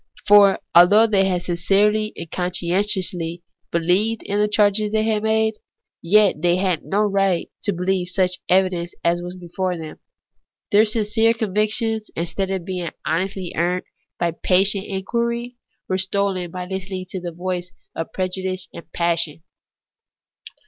For although they had sincerely and con scientiously beheved in the charges they had made, yet they had no right to believe on such evidence as was before them. Their sincere convictions, instead of being honestly earned by patient inquiring, were stolen by Hstening to the voice of prejudice and passion.